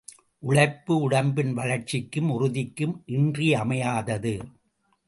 உழைப்பு உடம்பின் வளர்ச்சிக்கும் உறுதிக்கும் இன்றியமையாதது.